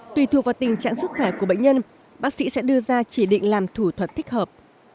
tùy thuộc vào tình trạng sức khỏe của bệnh nhân bác sĩ sẽ đưa ra chỉ định làm thủ thuật thích hợp